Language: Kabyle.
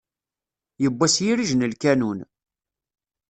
Yewwa s yirij n lkanun!